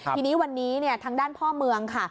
ทีนี้วันนี้ทางด้านพ่อเมืองค่ะ